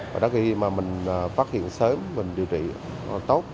và đó khi mà mình phát hiện sớm mình điều trị tốt